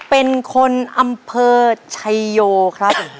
เป็นคนอำเภอชัยโยครับ